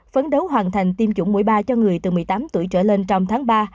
phấn đấu hoàn thành tiêm chủng mũi ba cho người từ một mươi tám tuổi trở lên trong tháng ba